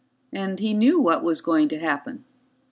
And he knew what was going to happen.